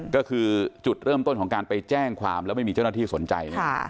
ก็คือจุดเริ่มต้นของการไปแจ้งความแล้วไม่มีเจ้าหน้าที่สนใจ